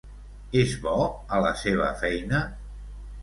És bo a la seva feina?